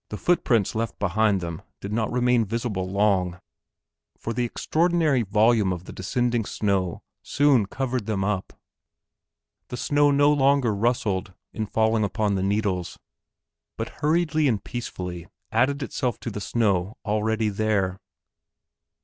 The footprints they left behind them did not remain visible long, for the extraordinary volume of the descending snow soon covered them up. The snow no longer rustled, in falling upon the needles, but hurriedly and peacefully added itself to the snow already there.